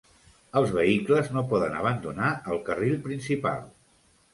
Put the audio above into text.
Els vehicles no poden abandonar el carril principal.